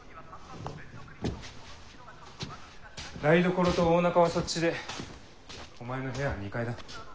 台所と大仲はそっちでお前の部屋は２階だ。